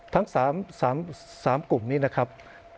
ทั้ง๓กลุ่มนี้นะครับ